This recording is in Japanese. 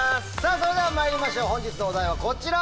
それではまいりましょう本日のお題はこちら！